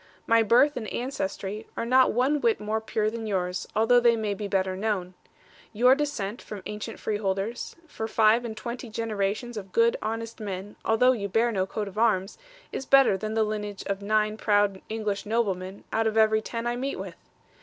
My birth and ancestry are not one whit more pure than yours, although they may be better known. Your descent from ancient freeholders, for five and twenty generations of good, honest men, although you bear no coat of arms, is better than the lineage of nine proud English noblemen out of every ten I meet with.